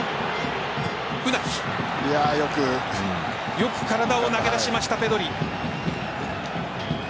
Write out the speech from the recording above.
よく体を投げ出しましたペドリ。